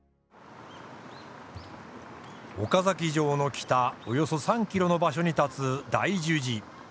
岡崎城の北およそ３キロの場所に立つ大樹寺。